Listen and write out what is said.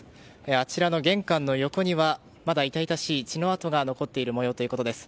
あちらの玄関の横にはまだ痛々しい血の痕が残っているということです。